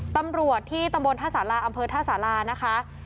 ตำรวจที่ตำบลท่าสาราอำเภอท่าสารานะคะ